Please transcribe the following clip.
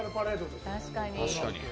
確かに。